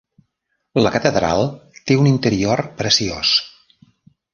La catedral té un interior preciós.